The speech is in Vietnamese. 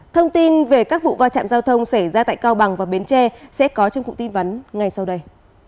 thông tin về các vụ va chạm giao thông xảy ra tại cao bằng và bến tre sẽ có trong cụm tin vắn ngay sau đây